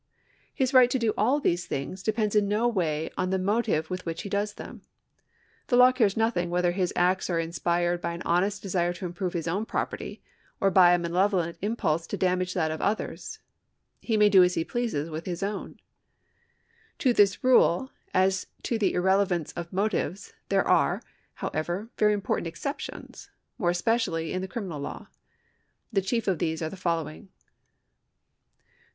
His right to do all these things depends in no way on the motive with which he does them. The law cares nothing whether his acts are inspired by an honest desire to improve his own property, or by a malevolent impulse to damage that of others. He may do as he pleases with his own.'* To this rule as to the irrelevance of motives there are, however, very important exceptions, more especially in the criminal law. The chief of these are the following. Allen v. Flood, (1898) A. C. at p. 123. Corporation of Bradford v. Pickles, (189.5) A. C. 587 at p. 598. 3 Allen V. Flood, (1898) A. C.